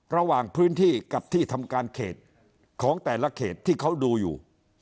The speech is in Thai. ระหว่างพื้นที่กับที่ทำการเขตของแต่ละเขตที่เขาดูอยู่